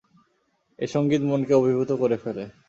এ সংগীত মনকে অভিভূত করে ফেলে।